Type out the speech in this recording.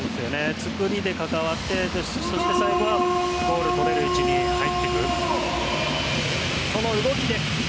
作りで関わってそして最後はゴールをとれる位置に入っていく。